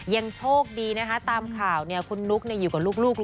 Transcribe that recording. ยังโชคดีนะคะตามข่าวคุณนุ๊กอยู่กับลูก